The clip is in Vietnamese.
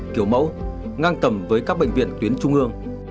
kiểu mẫu ngang tầm với các bệnh viện tuyến trung ương